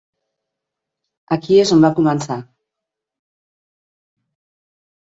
Aquí és on va començar.